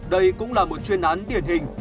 đây cũng là một chuyên án tiền hình